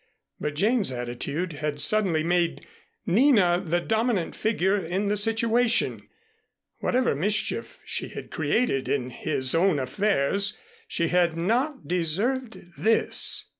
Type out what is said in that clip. But Jane's attitude had suddenly made Nina the dominant figure in the situation. Whatever mischief she had created in his own affairs, she had not deserved this!